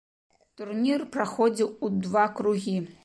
Турнір праходзіў у два кругі.